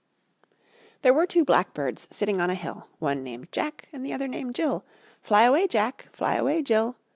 There were two blackbirds sitting on a hill, One named Jack and the other named Jill. Fly away, Jack! Fly away, Jill!